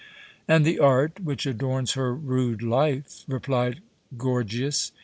"And the art which adorns her rude life," replied Gorgias.